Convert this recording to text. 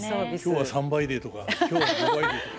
今日は３倍デーとか今日は５倍デーとか。